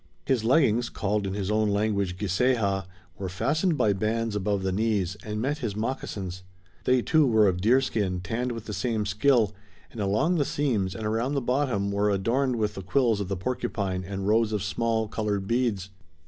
His leggings, called in his own language giseha, were fastened by bands above the knees, and met his moccasins. They too were of deerskin tanned with the same skill, and along the seams and around the bottom, were adorned with the quills of the porcupine and rows of small, colored beads.